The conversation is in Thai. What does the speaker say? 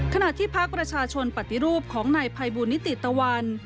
ขณะที่พักประชาชนปฏิรูปของนายภัยบูลนิติตะวัน